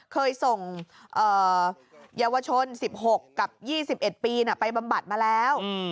เคยส่งเยาวชน๑๖กับ๒๑ปีไปบำบัดมาแล้ว